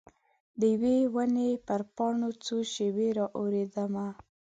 د یوي ونې پر پاڼو څو شیبې را اوریدمه